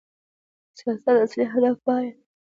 د سیاست اصلي هدف باید د انساني کرامت ساتل او د عدالت تامین وي.